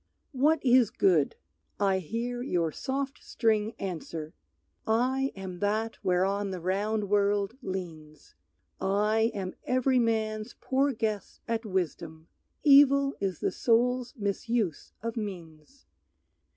What is good? I hear your soft string answer, "I am that whereon the round world leans, I am every man's poor guess at wisdom; Evil is the soul's misuse of means.